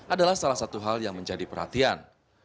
adalah salah satu hal yang menjadi perhatian